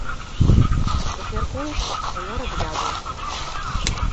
Як мяркуюць, памёр ад яду.